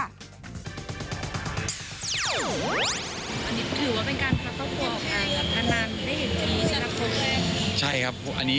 อันนี้ถือว่าเป็นการพัฒนาการพัฒนาการพัฒนานได้อย่างดี